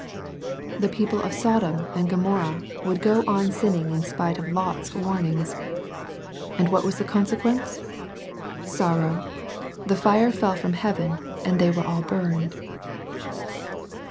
The people of Sodom and Gomorrah would go on sinning in spite of Lot's warnings. And what was the consequence ? Sorrow. The fire fell from heaven, and they were all burned.